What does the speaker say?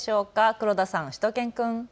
黒田さん、しゅと犬くん。